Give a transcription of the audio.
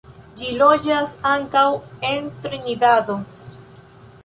Ĝi loĝas ankaŭ en Trinidado.